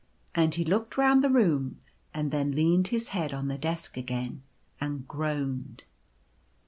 " and he looked round the room, and then leaned his head 011 the desk again and groaned.